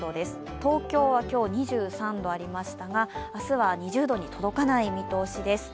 東京は今日２３度ありましたが明日は２０度に届かない見通しです。